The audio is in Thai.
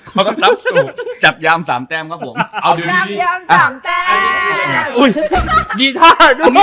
ขอรับรับสูตรจับยามสามแป้มครับผมเอาดีดียามสามแป้มอุ้ยมีท่าด้วยมีท่ามีท่า